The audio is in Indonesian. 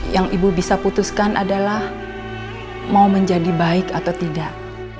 yang ibu bisa putuskan adalah mau menjadi baik atau tidak